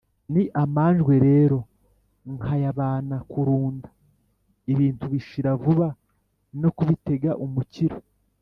Ni amanjwe rero nkayabana kurunda ibintu bishira vuba no kubitega umukiro